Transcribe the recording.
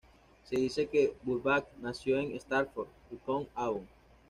Se dice que Burbage nació en Stratford-upon-Avon.